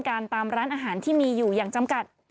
ตามร้านอาหารที่มีอยู่อย่างจำกัด